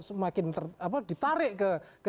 semakin ditarik ke